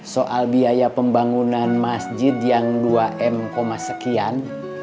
soal biaya pembangunan masjid yang dua m sekian